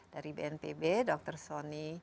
dari bnpb dr soni